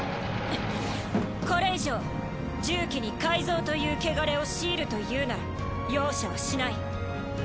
これ以上重騎に改造というけがれを強いるというなら容赦はしない。